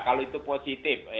kalau itu positif